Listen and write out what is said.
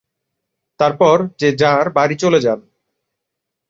তারপর যে যাঁর বাড়ি চলে যান।